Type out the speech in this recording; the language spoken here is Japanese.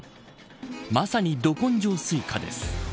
まさに、ど根性スイカです。